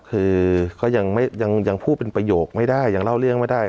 คือก็ยังพูดเป็นประโยคไม่ได้ยังเล่าเรื่องไม่ได้